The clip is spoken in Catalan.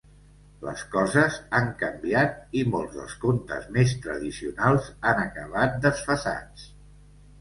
Les coses han canviat i molts dels contes més tradicionals han acabat desfasats.